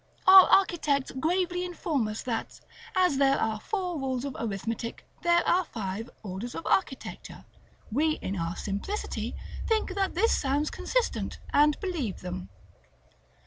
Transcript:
Our architects gravely inform us that, as there are four rules of arithmetic, there are five orders of architecture; we, in our simplicity, think that this sounds consistent, and believe them.